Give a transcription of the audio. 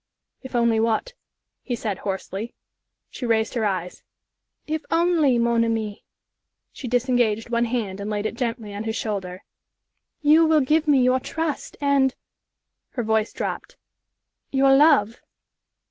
"If only what?" he said, hoarsely. She raised her eyes. "If only, mon ami" she disengaged one hand and laid it gently on his shoulder "you will give me your trust, and" her voice dropped "your love!"